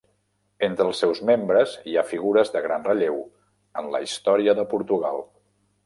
Entre els seus membres hi ha figures de gran relleu en la història de Portugal.